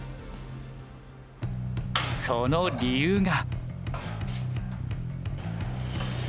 その理由が。